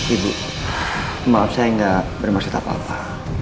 ibu maaf saya nggak bermaksud apa apa